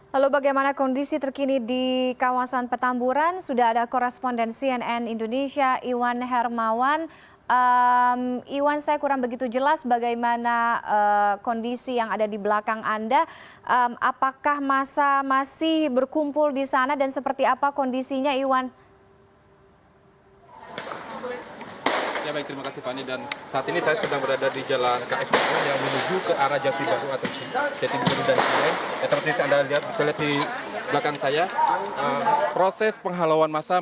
halo bagaimana kondisi terkini di kawasan petamburan sudah ada koresponden cnn indonesia iwan hermawan iwan saya kurang begitu jelas bagaimana kondisi yang ada di belakang anda apakah masa masih berkumpul di sana dan seperti apa kondisinya iwan